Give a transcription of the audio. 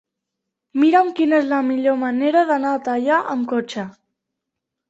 Mira'm quina és la millor manera d'anar a Teià amb cotxe.